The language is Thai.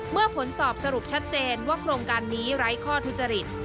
เมื่อผลสอบสรุปชัดเจนว่าโครงการนี้ไร้ข้อทุจริต